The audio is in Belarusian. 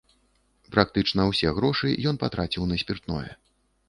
Практычна ўсе грошы ён патраціў на спіртное.